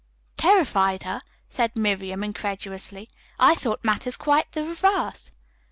"Terrified her," said Miriam incredulously. "I thought matters quite the reverse."